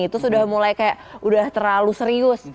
itu sudah mulai kayak udah terlalu serius